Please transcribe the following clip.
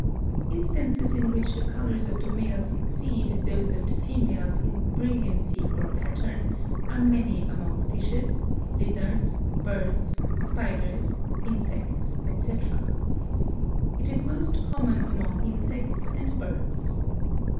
Instances in which the colors of the males exceed those of the females in brilliancy or pattern are many among fishes, lizards, birds, spiders, insects, etc. It is most common among insects and birds.